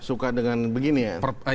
suka dengan begini ya